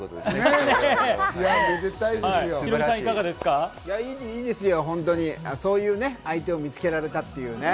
本当にいいですよ、そういう相手を見つけられたっていうね。